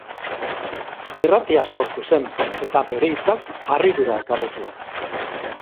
Irratia sortu zen, eta bere hitzak harridura ekarri zuen.